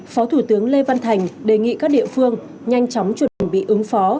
phó thủ tướng lê văn thành đề nghị các địa phương nhanh chóng chuẩn bị ứng phó